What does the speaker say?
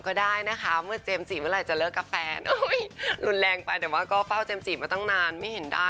ก็มีบ้างครับ